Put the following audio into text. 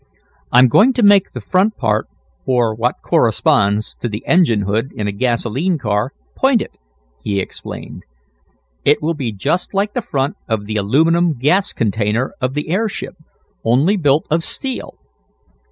"I'm going to make the front part, or what corresponds to the engine hood in a gasolene car, pointed," he explained. "It will be just like the front of the aluminum gas container of the airship, only built of steel.